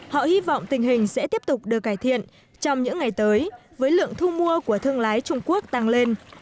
họ hy vọng tình hình sẽ tiếp tục được cải thiện trong những ngày tới với lượng thu mua của thương lái trung quốc tăng lên